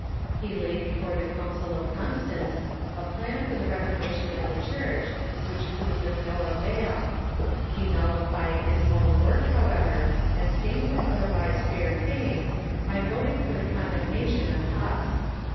He laid before the Council of Con stance a plan for the reformation of the Church, which proved of no avail. He nullified his own work, however, and stained his otherwise fair fame by voting for the condemnation of Huss.